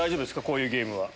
こういうゲームは。